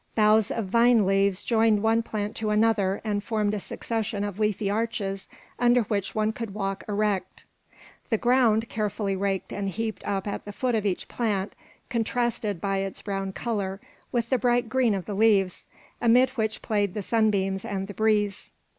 Boughs of vine leaves joined one plant to another and formed a succession of leafy arches under which one could walk erect. The ground, carefully raked and heaped up at the foot of each plant, contrasted by its brown colour with the bright green of the leaves, amid which played the sunbeams and the breeze.